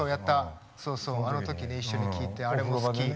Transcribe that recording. あの時に一緒に聴いてあれも好き。